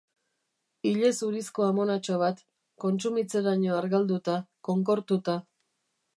Ile zurizko amonatxo bat, kontsumitzeraino argalduta, konkortuta.